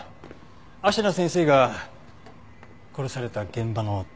芦名先生が殺された現場の土でした。